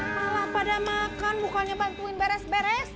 malah pada makan mukanya bantuin beres beres